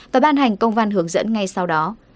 và ban hành công văn hướng dẫn ngay sau đó